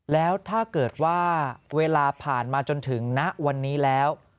แล้วถ้าเกิดว่าเวลาผ่านมาจนถึงณวันนี้แล้ว